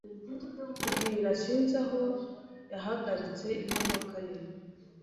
Bwira sinzi aho yahagaritse imodoka ye.